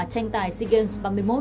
tranh tài sigens ba mươi một